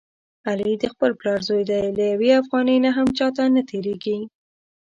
علي د خپل پلار زوی دی، له یوې افغانۍ نه هم چاته نه تېرېږي.